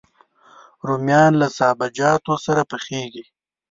رومیان له سابهجاتو سره پخېږي